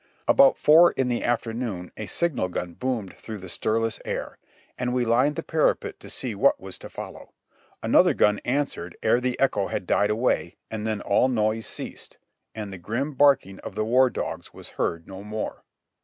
About four in the afternoon a signal gun boomed through the stirless air, and we lined the parapet to see what was to follow; another gun answered ere the echo had died away and then all noise ceased, and the grim barking of the war dogs was heard no more.